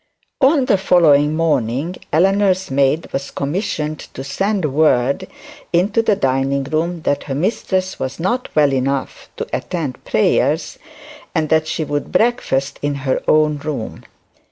On the following morning Eleanor's maid was commissioned to send word into the dining room that her mistress was not well enough to attend prayers, and that she would breakfast in her own room.